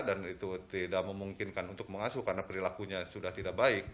dan itu tidak memungkinkan untuk mengasuh karena perilakunya sudah tidak baik